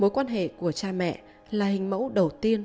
mối quan hệ của cha mẹ là hình mẫu đầu tiên